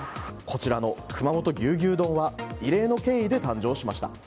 こちらの熊本ぎゅうぎゅう丼は異例の経緯で誕生しました。